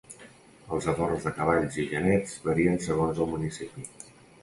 Els adorns de cavalls i genets varien segons el municipi.